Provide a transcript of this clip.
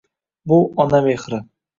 Bu- Ona mehri.